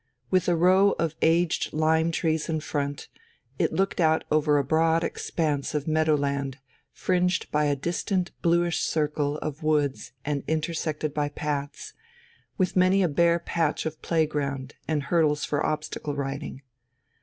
With a row of aged lime trees in front, it looked out over a broad expanse of meadowland fringed by a distant bluish circle of woods and intersected by paths, with many a bare patch of play ground and hurdles for obstacle riding.